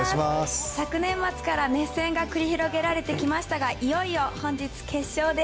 昨年末から熱戦が繰り広げられてきましたが、いよいよ本日決勝です。